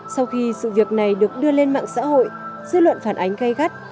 sau khi sự việc này được đưa lên mạng xã hội dư luận phản ánh gây gắt